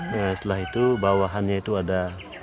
nah setelah itu bawahannya itu ada